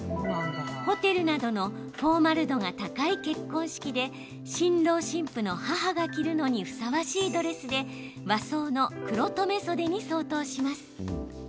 ホテルなどのフォーマル度が高い結婚式で新郎新婦の母が着るのにふさわしいドレスで和装の黒留め袖に相当します。